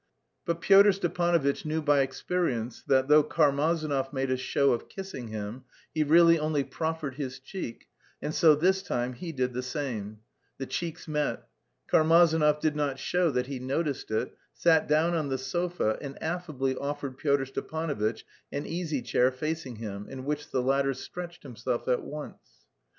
But Pyotr Stepanovitch knew by experience that, though Karmazinov made a show of kissing him, he really only proffered his cheek, and so this time he did the same: the cheeks met. Karmazinov did not show that he noticed it, sat down on the sofa, and affably offered Pyotr Stepanovitch an easy chair facing him, in which the latter stretched himself at once.